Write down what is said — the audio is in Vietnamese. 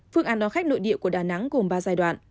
phương án đón khách nội địa của đà nẵng gồm ba giai đoạn